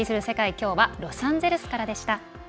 きょうはロサンゼルスからでした。